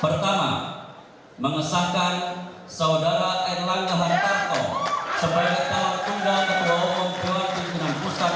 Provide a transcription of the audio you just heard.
pertama mengesahkan saudara erlangga hartarto sebagai ketua dewan pembinaan pusat